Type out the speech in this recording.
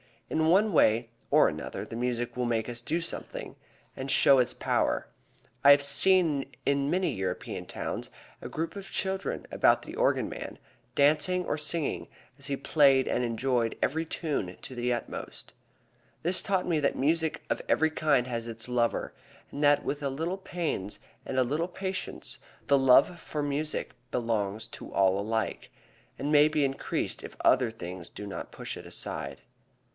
In one way or another the music will make us do something that shows its power. I have seen in many European towns a group of children about the organ man, dancing or singing as he played and enjoying every tune to the utmost. This taught me that music of every kind has its lover, and that with a little pains and a little patience the love for music belongs to all alike, and may be increased if other things do not push it aside.